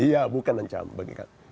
iya bukan ancaman